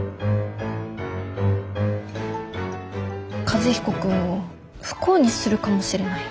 和彦君を不幸にするかもしれない。